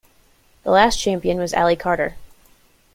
The last champion was Ali Carter.